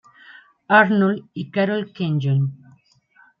Arnold y Carol Kenyon.